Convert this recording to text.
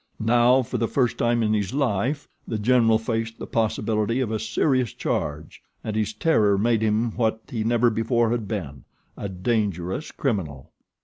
Now, for the first time in his life, The General faced the possibility of a serious charge; and his terror made him what he never before had been, a dangerous criminal.